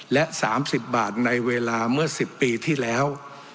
และ๓๐บาทในเวลาเมื่อ๑๐ปีที่แล้ว